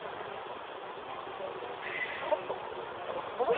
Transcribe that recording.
カットって言ってたからこれ？